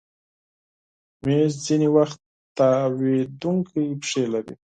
مېز ځینې وخت تاوېدونکی پښې لري.